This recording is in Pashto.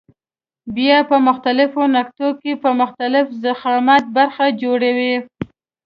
بیا په مختلفو نقطو کې په مختلف ضخامت برخه جوړوي.